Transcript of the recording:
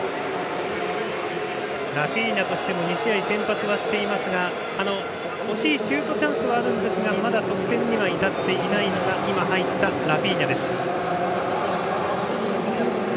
ラフィーニャとしても２試合、先発はしていますが惜しいシュートチャンスはあるんですがまだ得点には至っていないのが今入ったラフィーニャです。